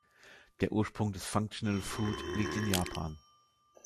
Der Ursprung des "Functional Food" liegt in Japan.